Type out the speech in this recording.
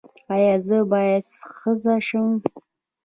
ایا زه باید ښځه شم؟